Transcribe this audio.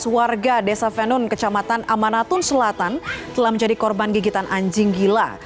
warga desa venun kecamatan amanatun selatan telah menjadi korban gigitan anjing gila